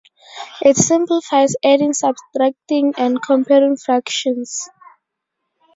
It simplifies adding, subtracting, and comparing fractions.